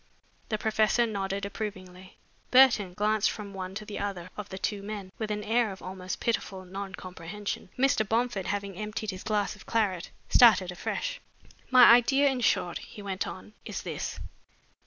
The professor nodded approvingly. Burton glanced from one to the other of the two men with an air of almost pitiful non comprehension. Mr. Bomford, having emptied his glass of claret, started afresh. "My idea, in short," he went on, "is this.